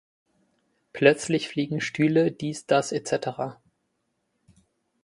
Plözlich fliegen Stühle, dies das etcetera.